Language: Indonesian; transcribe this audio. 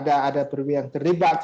ada perwira yang terlibat